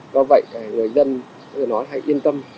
do vậy người dân hay yên tâm